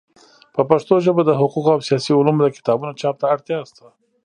په پښتو ژبه د حقوقو او سیاسي علومو د کتابونو چاپ ته اړتیا سته.